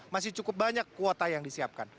masih cukup banyak kuota yang disiapkan